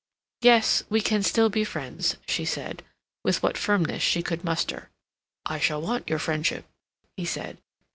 "Yes, we can still be friends," she said, with what firmness she could muster. "I shall want your friendship," he said.